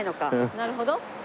なるほど！